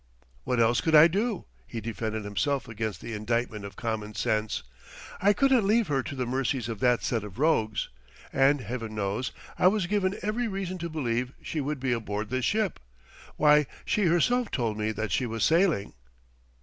"What else could I do?" he defended himself against the indictment of common sense. "I couldn't leave her to the mercies of that set of rogues!... And Heaven knows I was given every reason to believe she would be aboard this ship! Why, she herself told me that she was sailing